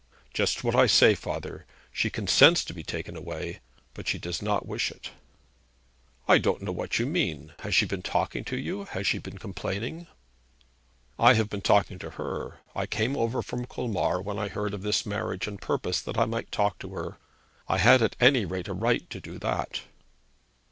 'Just what I say, father. She consents to be taken away, but she does not wish it.' 'I don't know what you mean. Has she been talking to you? Has she been complaining?' 'I have been talking to her. I came over from Colmar when I heard of this marriage on purpose that I might talk to her. I had at any rate a right to do that.'